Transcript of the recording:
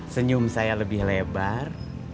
senyum saya lebih lebar